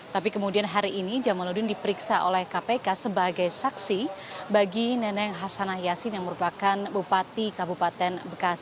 tapi kemudian hari ini jamaludin diperiksa oleh kpk sebagai saksi bagi neneng hasanah yassin yang merupakan bupati kabupaten bekasi